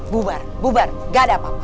bubar bubar gak ada apa apa